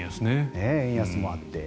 円安もあって。